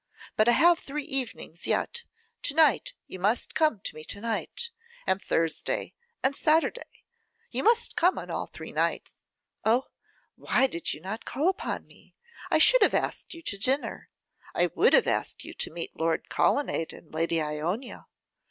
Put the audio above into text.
But I have three evenings yet; to night, you must come to me to night, and Thursday, and Saturday; you must come on all three nights. Oh! why did you not call upon me? I should have asked you to dinner. I would have asked you to meet Lord Colonnade and Lady Ionia!